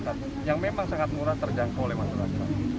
tapi yang memang sangat murah terjangkau oleh masyarakat